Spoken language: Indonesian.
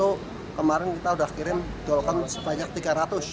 untuk kemarin kita sudah kirim dolken sebanyak tiga ratus